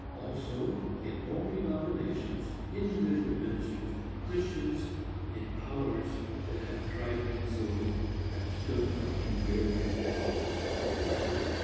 Also, in all denominations, individual ministers and Christians, in hours that have tried men's souls, have stood up to bear their testimony.